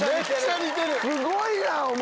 すごいやんお前！